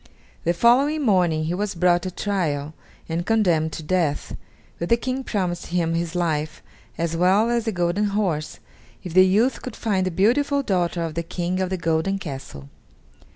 The following morning he was brought to trial and condemned to death, but the King promised him his life, as well as the golden horse, if the youth could find the beautiful daughter of the King of the golden castle.